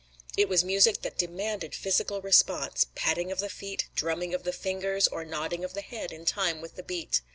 It was music that demanded physical response, patting of the feet, drumming of the fingers, or nodding of the head in time with the beat.